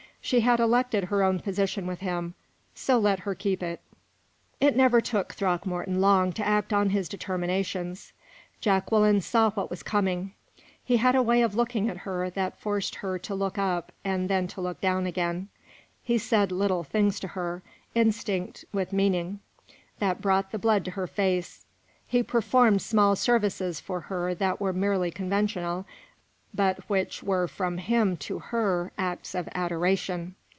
She had elected her own position with him so let her keep it. It never took Throckmorton long to act on his determinations. Jacqueline saw what was coming. He had a way of looking at her that forced her to look up and then to look down again. He said little things to her, instinct with meaning, that brought the blood to her face. He performed small services for her that were merely conventional, but which were from him to her acts of adoration.